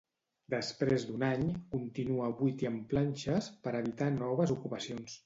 Després d'un any, continua buit i amb planxes, per evitar noves ocupacions.